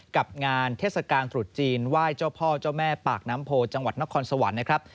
กับงานเทศกาลตรุษจีนไหว้เจ้าพ่อเจ้าแม่ปากน้ำโพจังหวัดนครสวรรค์นะครับ